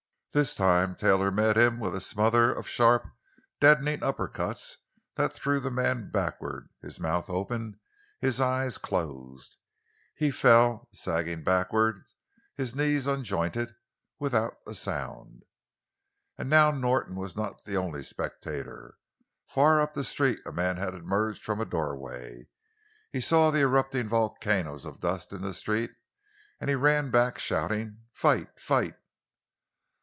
This time Taylor met him with a smother of sharp, deadening uppercuts that threw the man backward, his mouth open, his eyes closed. He fell, sagging backward, his knees unjointed, without a sound. And now Norton was not the only spectator. Far up the street a man had emerged from a doorway. He saw the erupting volcanoes of dust in the street, and he ran back, shouting, "Fight! Fight!"